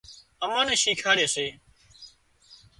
امان نين شيکاڙِ سي